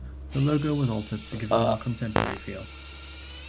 The logo was altered to give it a more contemporary feel.